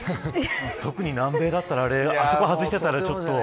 特に南米だったらあそこ外してたら、ちょっと。